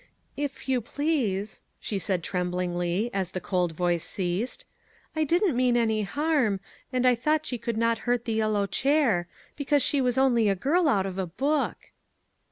" If you please," she said tremblingly, as the cold voice ceased, " I didn't mean any harm, and I thought she could not hurt the yellow chair; because she was only a girl out of a book."